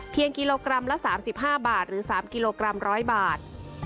เพียง๑กิโลกรัมละ๓๕หรือ๓กิโลกรัมละ๑๐๐บาท